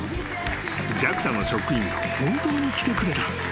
［ＪＡＸＡの職員が本当に来てくれた］